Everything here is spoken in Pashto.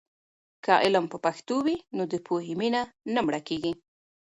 که علم په پښتو وي، نو د پوهې مینه نه مړه کېږي.